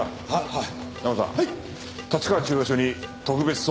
はい！